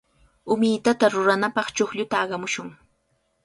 Umitata ruranapaq chuqlluta aqamushun.